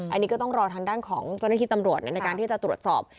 อันนี้ก็ต้องรอทางด้านของเจ้าหน้าที่ตำรวจในการที่จะตรวจสอบ